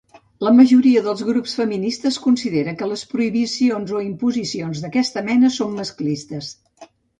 La majoria dels grups feministes considera que les prohibicions o imposicions d'aquesta mena són masclistes.